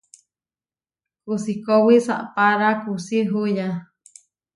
Kusikowí saʼpára kusí huyá.